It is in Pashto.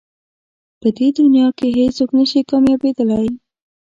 په دې دنیا کې هېڅ څوک نه شي کامیابېدلی.